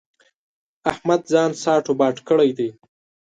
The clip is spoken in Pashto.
احمد ځان ساټ و باټ کړی دی.